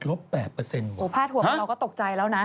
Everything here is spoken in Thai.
สูงภาษาหัวของเราก็ตกใจแล้วนะ